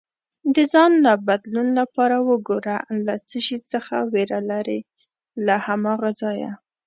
د ځان له بدلون لپاره وګوره له څه شي څخه ویره لرې، له هماغه ځایه